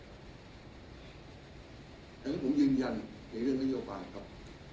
อันนี้ผมยืนยันในเรื่องนโยบายครับ